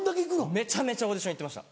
めちゃめちゃオーディション行ってました。